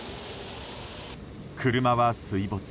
車は水没。